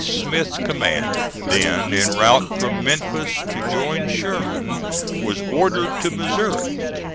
Smith's command, then en route from Memphis to join Sherman, was ordered to Missouri.